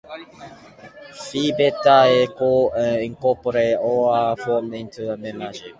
Phi Beta is coed and incorporates all art forms into its membership.